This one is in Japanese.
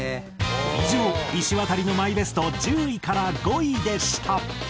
以上いしわたりのマイベスト１０位から５位でした。